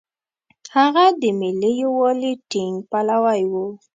هغه د ملي یووالي ټینګ پلوی و.